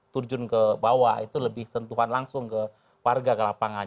terjun ke bawah itu lebih sentuhan langsung ke warga ke lapangan